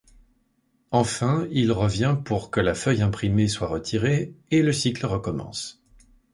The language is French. Enfin, il revient pour que la feuille imprimée soit retirée, et le cycle recommence.